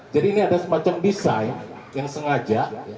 jadi ini ada semacam desain yang sengaja